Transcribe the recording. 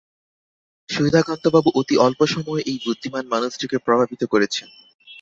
সুধাকান্তবাবু অতি অল্প সময়ে এই বুদ্ধিমান মানুষটিকে প্রভাবিত করেছেন।